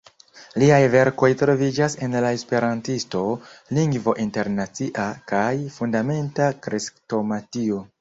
Liaj verkoj troviĝas en "La Esperantisto, Lingvo Internacia" kaj "Fundamenta Krestomatio".